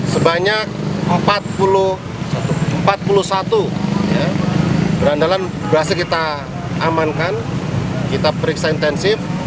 sebanyak empat puluh satu berandalan berhasil kita amankan kita periksa intensif